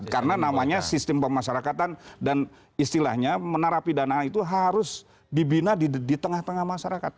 karena namanya sistem pemasarakatan dan istilahnya menarapi dana itu harus dibina di tengah tengah masyarakat